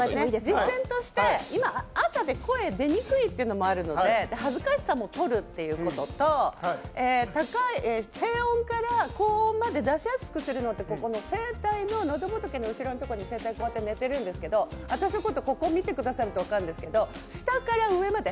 実戦として、朝で声が出にくいというのもあるので、恥ずかしさも取るということと低音から高音まで出しやすくするってここの声帯の喉仏の後ろに声帯って寝てるんですけどここを見ていただくと分かるんですけど、下から上まで。